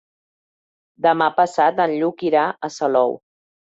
Demà passat en Lluc irà a Salou.